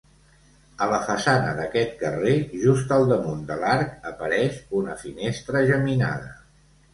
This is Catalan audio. A la façana d'aquest carrer, just al damunt de l'arc, apareix una finestra geminada.